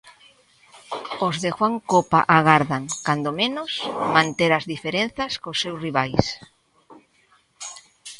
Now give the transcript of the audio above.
Os de Juan Copa agardan, cando menos, manter as diferenzas cos seus rivais.